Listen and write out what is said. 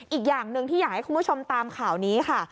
อีกอย่างหนึ่งที่อยากให้คุณผู้ชมตามข่าวนี้ค่ะ